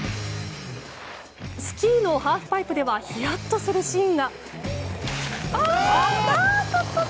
スキーのハーフパイプではヒヤッとするシーンが。